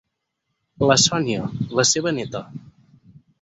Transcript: La Sonia, la seva neta.